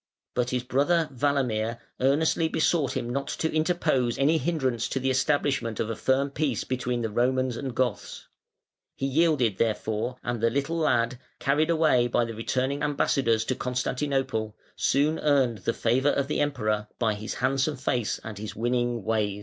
But his brother Walamir earnestly besought him not to interpose any hindrance to the establishment of a firm peace between the Romans and Goths. He yielded therefore, and the little lad, carried by the returning ambassadors to Constantinople, soon earned the favour of the Emperor by his handsome face and his winning ways.